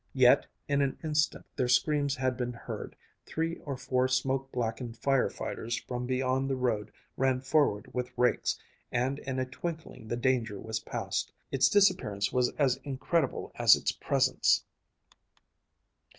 Yet in an instant their screams had been heard, three or four smoke blackened fire fighters from beyond the road ran forward with rakes, and in a twinkling the danger was past. Its disappearance was as incredible as its presence.